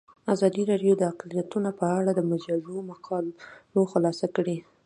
ازادي راډیو د اقلیتونه په اړه د مجلو مقالو خلاصه کړې.